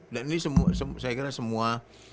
dan ini semua